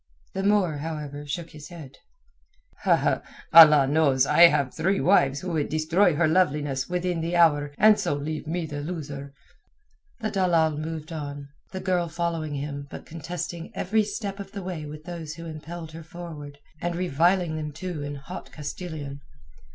The Moor, however, shook his head. "Allah knows I have three wives who would destroy her loveliness within the hour and so leave me the loser." The dalal moved on, the girl following him but contesting every step of the way with those who impelled her forward, and reviling them too in hot Castilian.